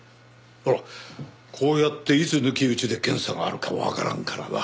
ほらこうやっていつ抜き打ちで検査があるかわからんからな。